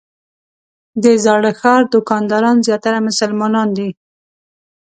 د زاړه ښار دوکانداران زیاتره مسلمانان دي.